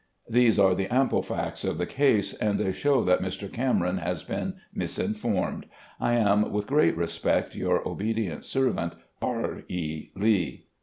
"These are the ample facts of the case, and they shew that Mr. Cameron has been misinformed. " I am with great respect, "Your obedient servant, "R. E. Lee."